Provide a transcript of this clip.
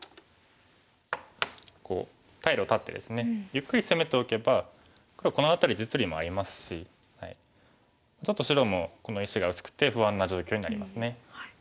こう退路を断ってですねゆっくり攻めておけば黒この辺り実利もありますしちょっと白もこの石が薄くて不安な状況になりますね。